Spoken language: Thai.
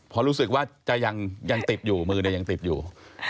เพราะรู้สึกว่าจะยังติดอยู่มือเนี่ยยังติดอยู่